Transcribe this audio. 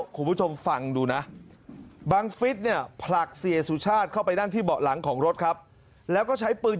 คุณผู้ชมฟังดูนะบังฟิศเนี่ยผลักเสียสุชาติเข้าไปนั่งที่เบาะหลังของรถครับแล้วก็ใช้ปืน